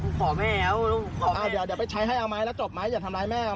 ค่ะขอแม่เอาอ่าเดี๋ยวไปใช้ให้อ่าไหมแล้วจบไหมจะทำร้ายแม่นะ